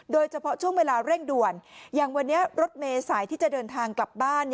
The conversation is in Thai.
โดยเฉพาะช่วงเวลาเร่งด่วนอย่างวันนี้รถเมษายที่จะเดินทางกลับบ้าน